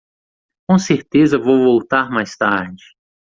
Com certeza vou voltar mais tarde.